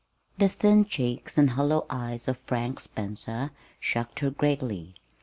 The thin cheeks and hollow eyes of Frank Spencer shocked her greatly.